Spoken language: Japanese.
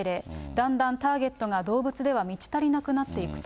だんだんターゲットが動物では満ち足りなくなっていくと。